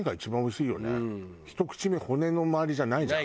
ひと口目骨の周りじゃないじゃん。